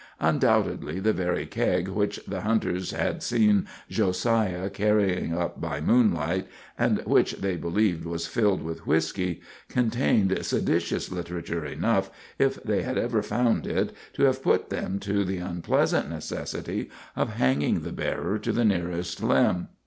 Undoubtedly the very keg which the hunters had seen Josiah carrying up by moonlight, and which they believed was filled with whisky, contained seditious literature enough, if they had ever found it, to have put them to the unpleasant necessity of hanging the bearer to the nearest limb.